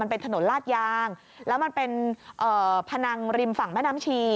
เป็นถนนลาดยางแล้วมันเป็นพนังริมฝั่งแม่น้ำชี